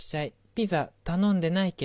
ピザ頼んでないけど。